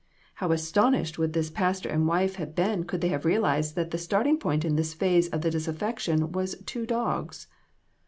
How astonished would this pastor and wife have been could they have realized that the starting point in this phase of the disaffection was two dogs